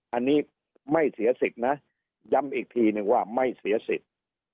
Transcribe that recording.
อันนี้ไม่เสียสิทธิ์นะย้ำอีกทีนึงว่าไม่เสียสิทธิ์